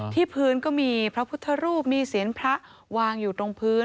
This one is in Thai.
ที่พื้นก็มีพระพุทธรูปมีเสียงพระวางอยู่ตรงพื้น